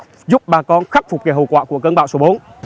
cơ sở đã giúp bà con khắc phục kẻ hậu quả của cơn bão số bốn